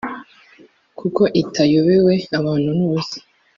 kuko itayobewe abantu b’ubusa,